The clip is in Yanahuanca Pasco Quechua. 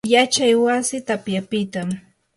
yachay wasi tapyapitam.